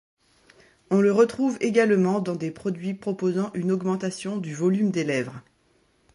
On le retrouve également dans des produits proposant une augmentation du volume des lèvres.